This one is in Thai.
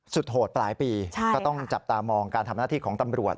โหดปลายปีก็ต้องจับตามองการทำหน้าที่ของตำรวจ